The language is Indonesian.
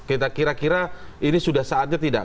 kita kira kira ini sudah saatnya tidak